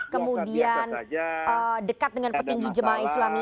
kemudian dekat dengan petinggi jemaah islami